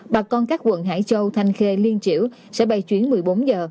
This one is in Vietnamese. bà con các quận hải châu thanh khê liên triểu sẽ bay chuyến một mươi bốn giờ